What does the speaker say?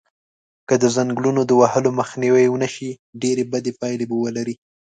که د ځنګلونو د وهلو مخنیوی و نشی ډیری بدی پایلی به ولری